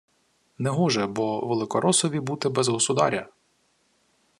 Негоже бо «великоросові» бути без «государя»